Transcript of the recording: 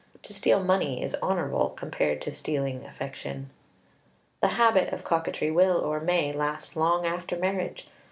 To steal money is honorable compared to stealing affection. The habit of coquetry will, or may, last long after marriage.